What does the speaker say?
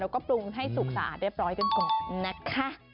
แล้วก็ปรุงให้สุกสะอาดเรียบร้อยกันก่อนนะคะ